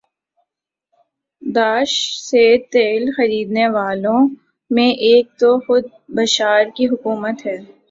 داعش سے تیل خرینے والوں میں ایک تو خود بشار کی حکومت ہے